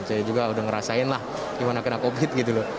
saya juga udah ngerasain lah gimana kena covid gitu loh